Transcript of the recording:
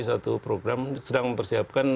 satu program sedang mempersiapkan